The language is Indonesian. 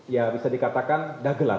ya bisa dikatakan dagelan